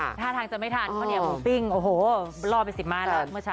อ่าท่าทางจะไม่ทันเพราะเนี่ยผมปิ้งโอโหลอไปสิบมานแล้วเมื่อเช้า